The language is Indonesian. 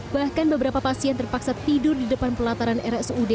bahkan beberapa pasien terpaksa tidur di depan pelataran rsud